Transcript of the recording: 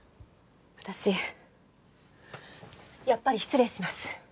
私やっぱり失礼します。